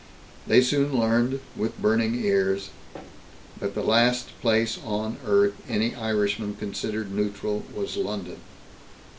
They soon learned, with burning ears, that the last place on earth any Irishman considered neutral was London.